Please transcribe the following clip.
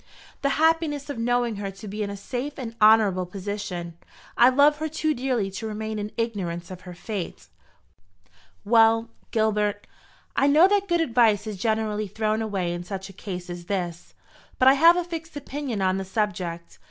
"The happiness of knowing her to be in a safe and honourable position. I love her too dearly to remain in ignorance of her fate." "Well, Gilbert, I know that good advice is generally thrown away in such a case as this; but I have a fixed opinion on the subject.